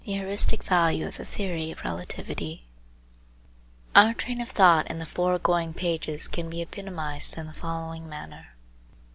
THE HEURISTIC VALUE OF THE THEORY OF RELATIVITY Our train of thought in the foregoing pages can be epitomised in the following manner.